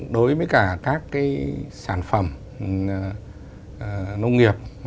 đối với cả các cái sản phẩm nông nghiệp